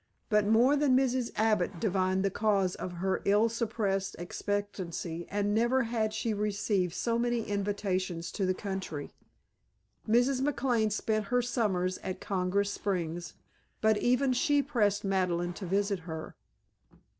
But more than Mrs. Abbott divined the cause of her ill suppressed expectancy and never had she received so many invitations to the country. Mrs. McLane spent her summers at Congress Springs, but even she pressed Madeleine to visit her.